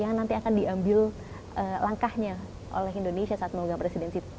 yang nanti akan diambil langkahnya oleh indonesia saat memegang presidensial